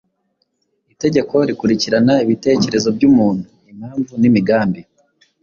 Itegeko rikurikirana ibitekerezo by’umuntu, impamvu n’imigambi.